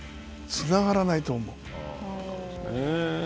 つながらないと思う。